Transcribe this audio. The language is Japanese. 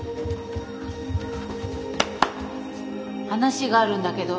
話があるんだけど。